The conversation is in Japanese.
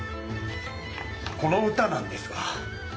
この歌なんですが。